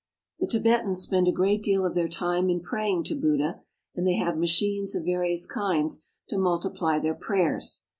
The Tibetans spend a great deal of their time in praying to Buddha, and they have machines of various kinds to multiply their prayers.